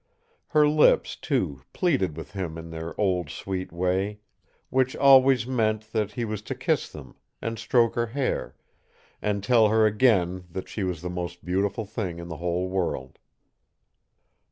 Her lips, too, pleaded with him in their old, sweet way, which always meant that he was to kiss them, and stroke her hair, and tell her again that she was the most beautiful thing in the whole world.